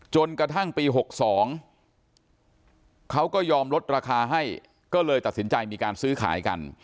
จนกระทั่งปี๖๒เขาก็ยอมลดราคาให้ก็เลยตัดสินใจมีการซื้อขายกัน